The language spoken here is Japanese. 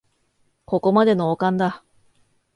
ここまでノーカンだ